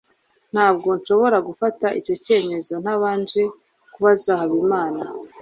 ntabwo nshobora gufata icyo cyemezo ntabanje kubaza habimana